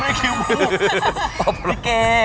พี่เก